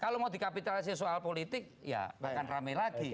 kalau mau dikapitalisasi soal politik ya akan rame lagi